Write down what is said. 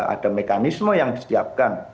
ada mekanisme yang disiapkan